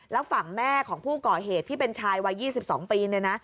แล้วฝั่งแม่ของผู้ก่อเหตุที่เป็นชายวัย๒๒ปี